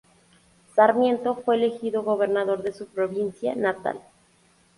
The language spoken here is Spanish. Sarmiento fue elegido gobernador de su provincia natal.